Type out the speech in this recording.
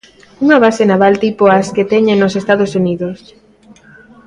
Unha base naval tipo as que teñen nos Estados Unidos.